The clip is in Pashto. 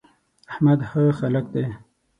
احمد ښه هلک دی.